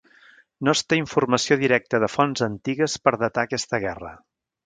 No es té informació directa de fonts antigues per datar aquesta guerra.